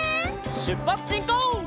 しゅっぱつしんこう！